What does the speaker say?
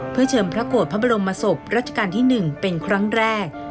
เพื่อเชินพระโกฏพระบรมศพพระบรมมาศพพระบรมราชการที่๑เป็นครั้งแรก